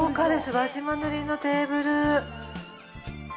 輪島塗のテーブル。